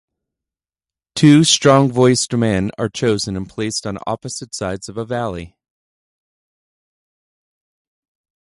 Two strong-voiced men are chosen and placed on opposite sides of a valley.